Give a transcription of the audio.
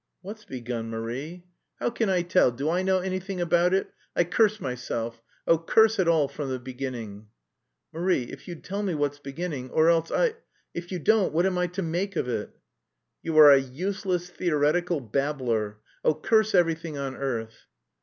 "What's begun, Marie?" "How can I tell! Do I know anything about it?... I curse myself! Oh, curse it all from the beginning!" "Marie, if you'd tell me what's beginning... or else I... if you don't, what am I to make of it?" "You are a useless, theoretical babbler. Oh, curse everything on earth!"